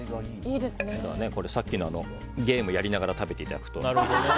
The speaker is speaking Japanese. さっきのゲームやりながら食べていただくと。